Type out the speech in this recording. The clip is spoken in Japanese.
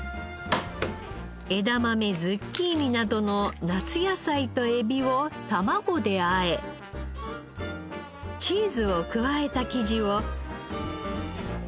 枝豆ズッキーニなどの夏野菜とエビを卵であえチーズを加えた生地を。